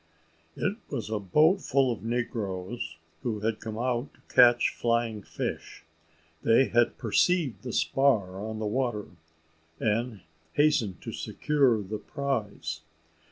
It was a boat full of negroes, who had come out to catch flying fish. They had perceived the spar on the water, and hastened to secure the prize.